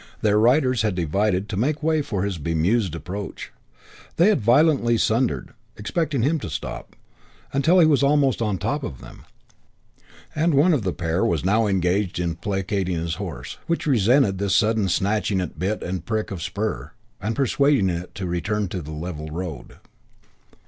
Their riders had divided to make way for his bemused approach. They had violently sundered, expecting him to stop, until he was almost on top of them, and one of the pair was now engaged in placating his horse, which resented this sudden snatching at bit and prick of spur, and persuading it to return to the level road.